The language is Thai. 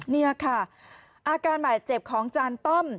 นี่แหละค่ะอาการหมายเจ็บของจานต้อม